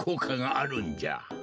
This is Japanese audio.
あるんじゃ。